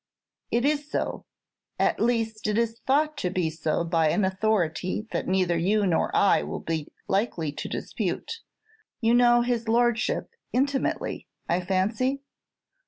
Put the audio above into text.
"It is so; at least it is thought to be so by an authority that neither you nor I will be likely to dispute. You know his Lordship intimately, I fancy?"